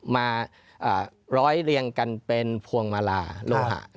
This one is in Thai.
มาร้อยเรียงกันเป็นพวงมาลาโลหะ